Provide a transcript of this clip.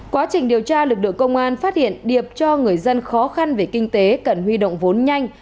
quá trình điều tra lực lượng công an phát hiện điệp cho người dân khó khăn về kinh tế cần huy động vốn nhanh